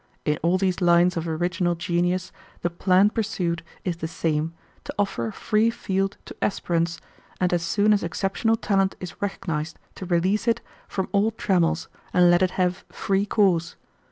In all these lines of original genius the plan pursued is the same to offer a free field to aspirants, and as soon as exceptional talent is recognized to release it from all trammels and let it have free course.